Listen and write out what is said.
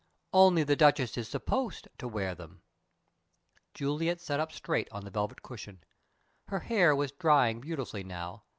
"Only the Duchess is supposed to wear them." Juliet sat up straight on the velvet cushion. Her hair was drying beautifully now.